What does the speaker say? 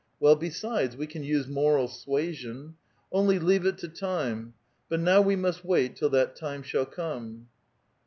Well, besides, we can use moral suasion. Only leave it to time ! But now we must wait till that time shall come."